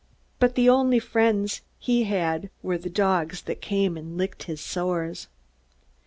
But the only friends he had were the dogs that came and licked his sores.